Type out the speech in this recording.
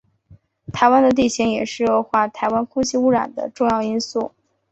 台湾的地形也是恶化台湾空气污染的重要因素。